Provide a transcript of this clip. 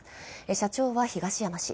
社長は東山氏。